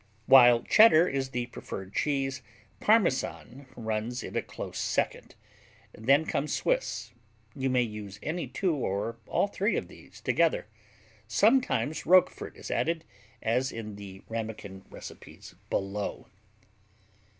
While Cheddar is the preferred cheese, Parmesan runs it a close second. Then comes Swiss. You may use any two or all three of these together. Sometimes Roquefort is added, as in the Ramekin recipes below.